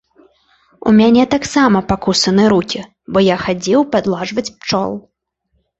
У мяне таксама пакусаны рукі, бо і я хадзіў падладжваць пчол.